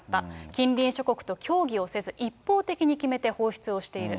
近隣諸国と協議をせず、一方的に決めて放出をしている。